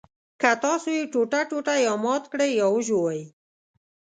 که تاسو یې ټوټه ټوټه یا مات کړئ یا وژوئ.